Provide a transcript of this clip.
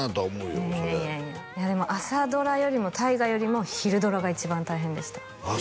それいやでも朝ドラよりも大河よりも昼ドラが一番大変でしたああ